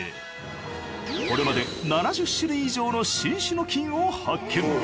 これまで７０種類以上の新種の菌を発見。